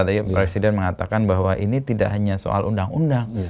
tadi presiden mengatakan bahwa ini tidak hanya soal undang undang